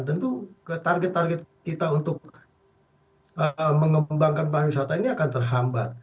tentu target target kita untuk mengembangkan pariwisata ini akan terhambat